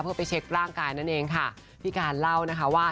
เพื่อไปเช็คร่างกายนั่นเองค่ะพี่การเล่านะคะว่า